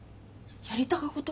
やりたかこと？